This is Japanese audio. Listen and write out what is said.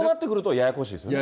ややこしいですね。